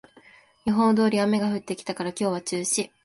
予報通り雨が降ってきたから今日は中止